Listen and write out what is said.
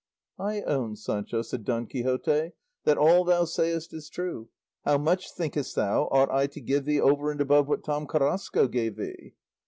"I own, Sancho," said Don Quixote, "that all thou sayest is true; how much, thinkest thou, ought I to give thee over and above what Tom Carrasco gave thee?"